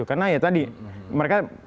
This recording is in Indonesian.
karena ya tadi mereka